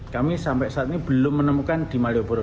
kami sampai saat ini belum menemukan di malioboro